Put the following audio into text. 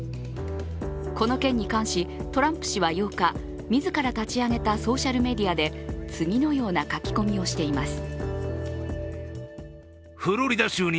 この件に関し、トランプ氏は８日、自ら立ち上げたソーシャルメディアで次のような書き込みをしています。